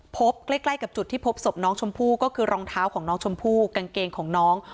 พบใกล้กับจุดที่พบศพน้องชมพู่ก็คือรองเท้าของน้องชมพู่กางเกงของน้อง